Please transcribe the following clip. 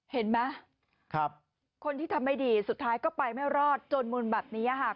เห็นไหมคนที่ทำไม่ดีสุดท้ายก็ไปไม่รอดจนมุมแบบนี้ค่ะ